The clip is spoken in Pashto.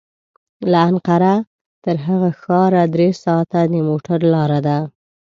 له انقره تر هغه ښاره درې ساعته د موټر لاره ده.